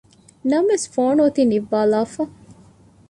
ނަމަވެސް ފޯނު އޮތީ ނިއްވާލާފަ